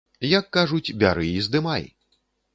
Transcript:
Як кажуць, бяры і здымай!